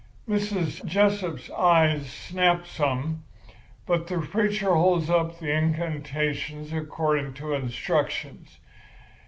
Mrs. Jessup's eyes snapped some; but the preacher holds up the incantations according to instructions.